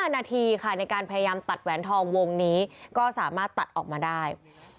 ๕นาทีค่ะในการพยายามตัดแหวนทองวงนี้ก็สามารถตัดออกมาได้